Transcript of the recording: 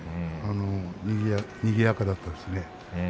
にぎやかだったですね。